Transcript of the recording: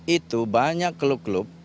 itu banyak klub klub